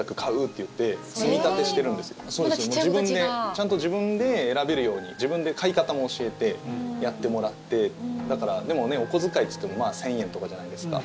ちゃんと自分で選べるように自分で買い方も教えてやってもらってでも、お小遣いといっても１０００円とかじゃないですか。